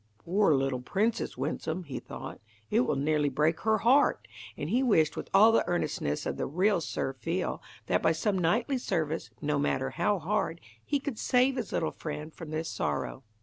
"Poor little Princess Winsome," he thought. "It will nearly break her heart," and he wished with all the earnestness of the real Sir Feal, that by some knightly service, no matter how hard, he could save his little friend from this sorrow.